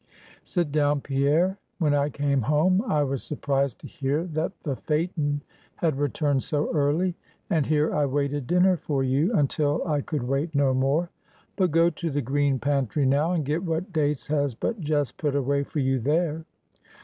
"Sit down, Pierre; when I came home, I was surprised to hear that the phaeton had returned so early, and here I waited dinner for you, until I could wait no more. But go to the green pantry now, and get what Dates has but just put away for you there.